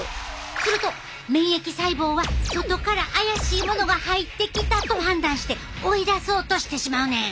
すると免疫細胞は外から怪しいものが入ってきたと判断して追い出そうとしてしまうねん。